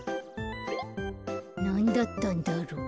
なんだったんだろう。